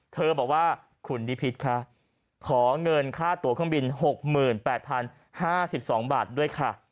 เธอบอกว่าคุณนิพิษค่ะขอเงินค่าตัวเครื่องบินหกหมื่นแปดพันห้าสิบสองบาทด้วยค่ะ